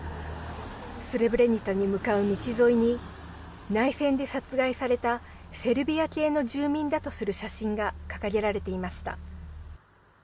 スレブレニツァに向かう道沿いに内戦で殺害されたセルビア系の住民だとする写真が掲げられていました。